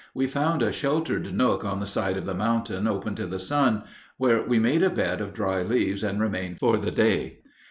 We found a sheltered nook on the side of the mountain open to the sun, where we made a bed of dry leaves and remained for the day.